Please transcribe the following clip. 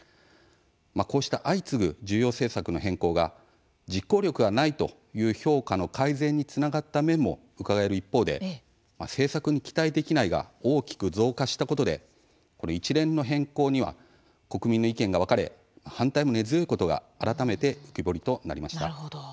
こうした相次ぐ重要政策の変更が「実行力がない」という評価の改善につながった面もうかがえる一方で「政策に期待できない」が大きく増加したことで一連の変更には国民の意見が分かれ反対も根強いことが改めて浮き彫りとなりました。